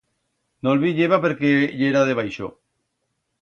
No'l viyeba perque yera debaixo.